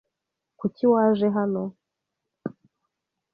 Kuki waje hano?